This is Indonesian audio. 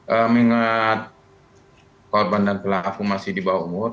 mengingat korban dan pelaku masih di bawah umur